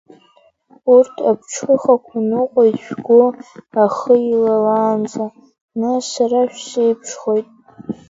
Урҭ аԥҽыхақәа ныҟәоит шәгәы ахы иалалаанӡа, нас сара шәсеиԥшхоит.